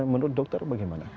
menurut dokter bagaimana